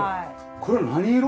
これは何色？